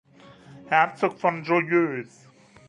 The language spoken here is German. Herzog von Joyeuse.